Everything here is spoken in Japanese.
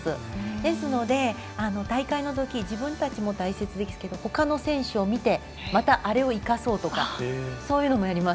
ですので、大会のとき自分たちも大切ですけどほかの選手を見てまた、あれを生かそうとかそういうのもやります。